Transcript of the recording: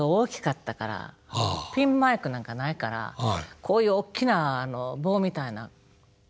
ピンマイクなんかないからこういうおっきな棒みたいなん。